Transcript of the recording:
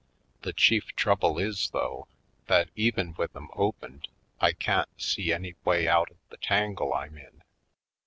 The chief trouble is, though, that even with them opened I can't see any way out of the tangle I'm in.